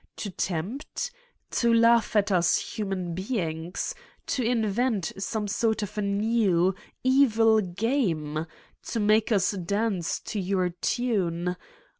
To tempt? To laugh at us human beings? To invent some sort of a new, evil game? To make us dance to your tune?